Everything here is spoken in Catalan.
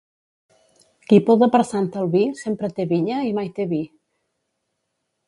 Qui poda per Sant Albí sempre té vinya i mai té vi.